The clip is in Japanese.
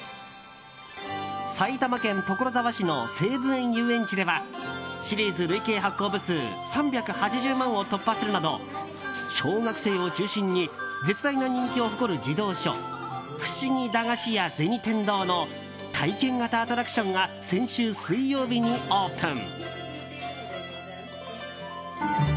埼玉県所沢市の西武園ゆうえんちではシリーズ累計発行部数３８０万を突破するなど小学生を中心に絶大な人気を誇る児童書「ふしぎ駄菓子屋銭天堂」の体験型アトラクションが先週水曜日にオープン。